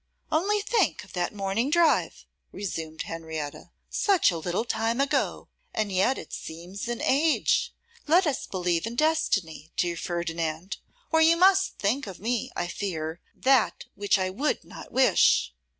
'Only think of that morning drive,' resumed Henrietta, 'such a little time ago, and yet it seems an age! Let us believe in destiny, dear Ferdinand, or you must think of me, I fear, that which I would not wish.